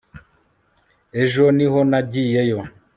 ejo niho yagiyeyo